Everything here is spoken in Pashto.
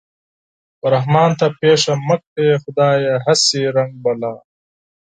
و رحمان ته پېښه مه کړې خدايه هسې رنگ بلا